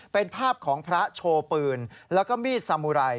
เป็นภาพของพระโชว์ปืนแล้วก็มีดสามุไร